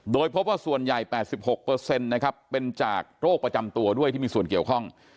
โดยพบว่าส่วนใหญ่๘๖นะครับเป็นจากโรคประจำตัวด้วยที่มีส่วนเกี่ยวข้อง